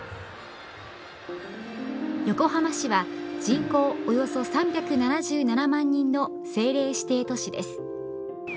横浜市は人口、およそ３７７万人の政令指定都市です。